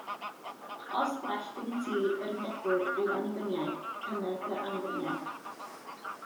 Os gwell gennyt ti, yr Undebwr, yw annibyniaeth, cymer dy annibyniaeth.